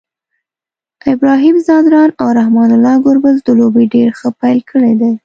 ابراهیم ځدراڼ او رحمان الله ګربز د لوبي ډير ښه پیل کړی دی